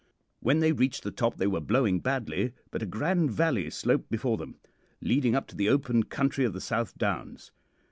"When they reached the top they were blowing badly, but a grand valley sloped before them, leading up to the open country of the South Downs.